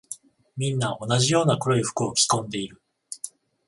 みんな同じような黒い服を着込んでいる。